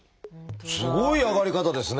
すごい上がり方ですね。